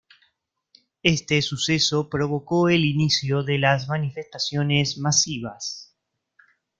Este suceso provocó el inicio de las manifestaciones masivas.